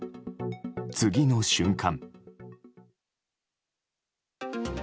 次の瞬間。